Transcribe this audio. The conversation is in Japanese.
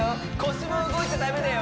腰も動いちゃダメだよ